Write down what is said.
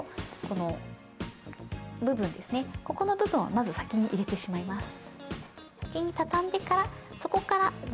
ここの部分をまず先に入れてしまいます